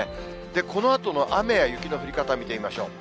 このあとの雨や雪の降り方を見てみましょう。